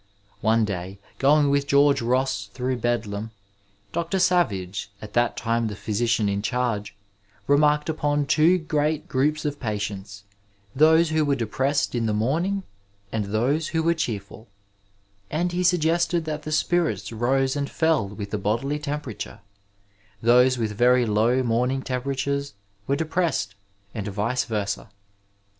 One day, going with George Ross 426 Digitized by Google THE STUDENT LIFE through Bedlam, Dr. Savage, at that time the physician in charge, remarked upon two great groups of patients — those who were depressed in the morning and those who were cheerfol, and he suggested that the spirits rose and fell with the bodily temperature — ^those with very low morning temperatures were depressed, and vice vers&.